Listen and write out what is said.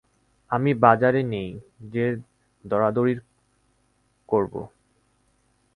আমি বাজারে নেই যে দরাদরির করবো।